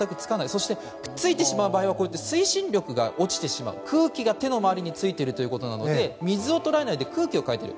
そして、ついてしまう場合は推進力が落ちてしまう空気が手の周りについているということなので水を捉えないで空気をかいている。